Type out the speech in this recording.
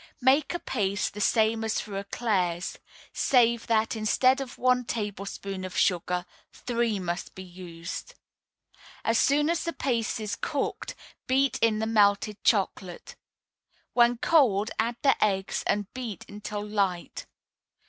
Make a paste the same as for éclairs, save that instead of one tablespoonful of sugar three must be used. As soon as the paste is cooked, beat in the melted chocolate. When cold, add the eggs, and beat until light.